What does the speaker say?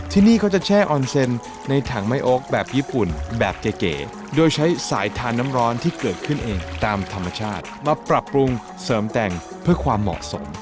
ที่นี่เขาจะแช่ออนเซ็นในถังไม่โอ๊คแบบญี่ปุ่นแบบเก๋โดยใช้สายทานน้ำร้อนที่เกิดขึ้นเองตามธรรมชาติมาปรับปรุงเสริมแต่งเพื่อความเหมาะสม